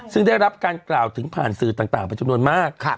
ซึ่งได้รับการกล่าวถึงผ่านสื่อต่างเป็นจำนวนมาก